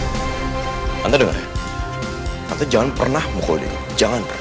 tante denger ya tante jangan pernah mukul dia jangan pernah